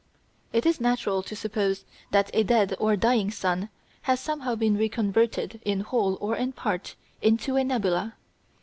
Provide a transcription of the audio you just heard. It is natural to suppose that a dead or dying sun has somehow been reconverted in whole or in part into a nebula.